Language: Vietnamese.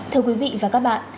thưa quý vị và các bạn